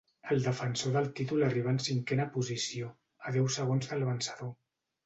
El defensor del títol arribà en cinquena posició, a deu segons del vencedor.